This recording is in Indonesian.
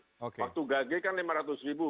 waktu gage kan lima ratus ribu